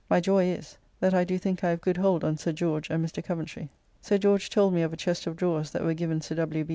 My joy is, that I do think I have good hold on Sir George and Mr. Coventry. Sir George told me of a chest of drawers that were given Sir W.